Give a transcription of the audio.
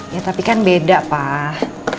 ya tapi kan beda pak